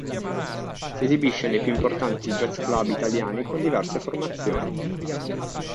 Si esibisce nei più importanti jazz club italiani con diverse formazioni.